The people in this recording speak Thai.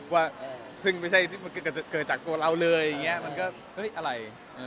ว่าซึ่งไม่ใช่เกิดจากตัวเราเลยอย่างนี้มันก็เฮ้ยอะไร